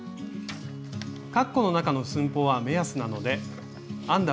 カッコの中の寸法は目安なので編んだ